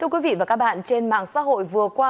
quý vị và các bạn trên mạng xã hội vừa qua